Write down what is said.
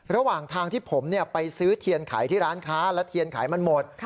ระหว่างทางที่ผมไปซื้อเทียนขายที่ร้านค้าและเทียนขายมันหมด